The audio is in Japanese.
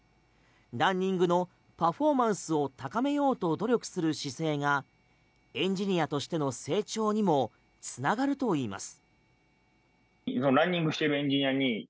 ランニングのパフォーマンスを高めようと努力する姿勢がエンジニアとしての成長にも繋がるといいます。